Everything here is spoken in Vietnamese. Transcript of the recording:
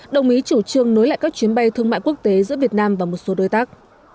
đồng ý chủ trương nối lại các chuyến bay thương mại quốc tế giữa việt nam và một số đối tác